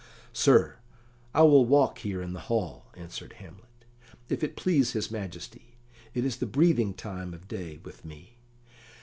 "Sir, I will walk here in the hall," answered Hamlet; "if it please his Majesty, it is the breathing time of day with me.